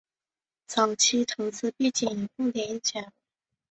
早年投资并经营奉锦天一垦务公司。